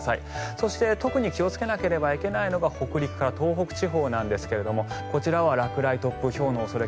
そして特に気をつけなければいけないのが北陸から東北地方なんですがこちらは落雷、突風ひょうの恐れ